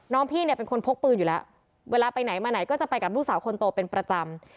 พี่เนี่ยเป็นคนพกปืนอยู่แล้วเวลาไปไหนมาไหนก็จะไปกับลูกสาวคนโตเป็นประจำ